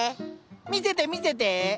見せて見せて。